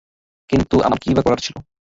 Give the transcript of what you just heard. কিন্তু, আমার কিইবা করার ছিলো।